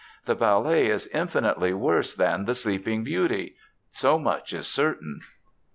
The ballet is infinitely worse than 'The Sleeping Beauty'—so much is certain."